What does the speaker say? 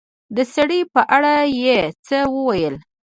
د سړي په اړه يې څه وويل